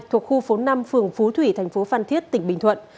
thuộc khu phố năm phường phú thủy tp phan thiết tỉnh bình thuận